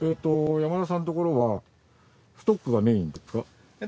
山田さんのところはストックがメインなんですか？